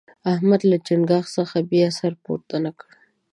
احمد له چينګاښ څخه بیا سر راپورته نه کړ.